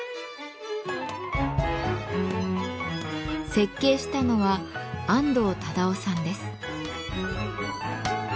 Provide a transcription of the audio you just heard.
設計したのは安藤忠雄さんです。